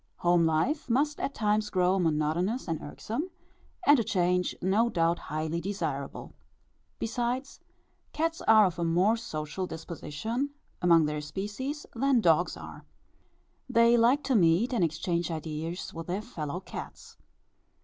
Home life must at times grow monotonous and irksome, and a change no doubt highly desirable. Besides, cats are of a more social disposition among their species than dogs are. They like to meet and exchange ideas with their fellow cats.